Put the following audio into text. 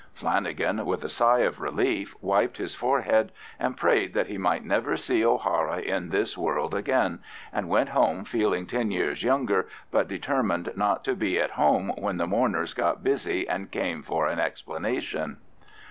Flanagan, with a sigh of relief, wiped his forehead, and prayed that he might never see O'Hara in this world again, and went home feeling ten years younger, but determined not to be at home when the mourners got busy and came for an explanation.